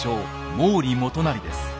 ・毛利元就です。